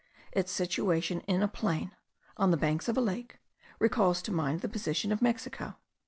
Its situation in a plain, on the banks of a lake, recalls to mind the position of Mexico.